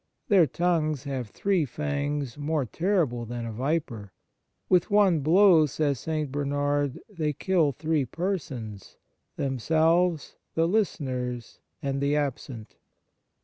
Their tongues have three fangs more terrible than a viper. " With one blow," says St. Bernard, " they kill three persons themselves, the listeners, and the absent.